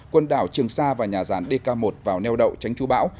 quần đảo trường sa và nhà rán dk một vào neo đậu tránh chú bão